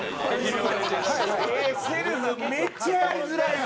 セルフ、めっちゃやりづらいわ。